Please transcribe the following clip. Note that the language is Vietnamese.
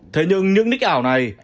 thế nhưng những ních ảo này